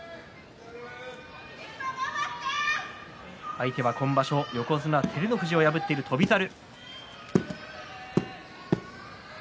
相手は今場所、横綱照ノ富士を破っている翔猿。